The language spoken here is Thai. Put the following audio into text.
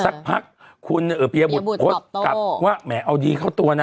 สักพักคุณเอ่อพียบุตรพียบุตรกลับโต้ว่าแหมเอาดีเข้าตัวน่ะ